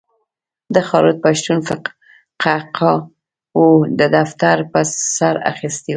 د خالد پښتون قهقهاوو دفتر په سر اخیستی و.